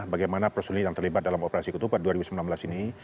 bagaimana personil yang terlibat dalam operasi ketupat dua ribu sembilan belas ini